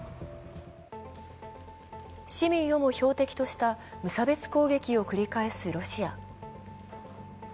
市民をも標的とした無差別攻撃を繰り返すロシア。